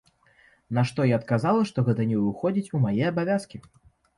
На што я адказала, што гэта не ўваходзіць у мае абавязкі.